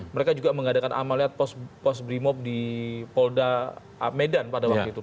mereka juga mengadakan amaliat pos brimob di polda medan pada waktu itu